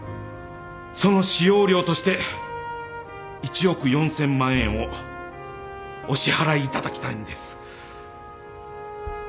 その使用料として１億４，０００万円をお支払いいただきたいんです。